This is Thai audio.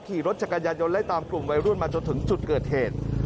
ขี่รถจักรยานยนต์ไล่ตามกลุ่มวัยรุ่นมาจนถึงจุดเกิดเหตุ